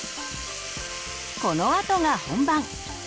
このあとが本番！